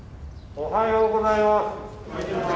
おはようございます。